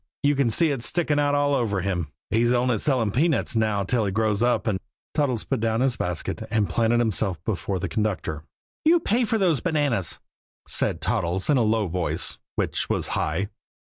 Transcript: You can see it sticking out all over him! He's only selling peanuts now till he grows up and " Toddles put down his basket and planted himself before the conductor. "You pay for those bananas," said Toddles in a low voice which was high.